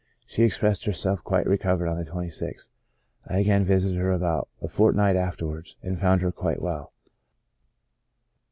She expressed herself quite recovered on the 26th. I again vi sited her about a fortnight afterwards, and found her quite well.